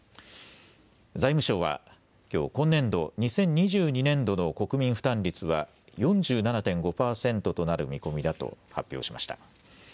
財務省はきょう、今年度２０２２年度の国民負担率は４７．５％となる見込みだと発表しました。